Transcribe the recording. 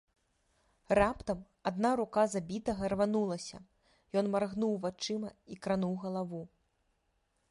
Раптам адна рука забітага рванулася, ён маргнуў вачыма і крануў галаву.